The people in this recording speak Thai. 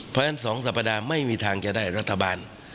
เพราะฉะนั้น๒สัปดาห์ไม่มีทางจะได้รัฐบาล